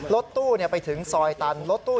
รถตู้ไปถึงซอยตันรถตู้